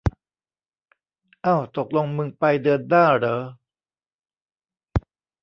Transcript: เอ้า ตกลงมึงไปเดือนหน้าเหรอ